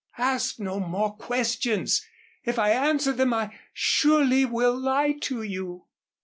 Ask no more questions. If I answer them I surely will lie to you."